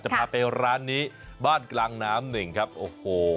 พาไปร้านนี้บ้านกลางน้ำหนึ่งครับโอ้โห